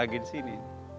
halagi di sini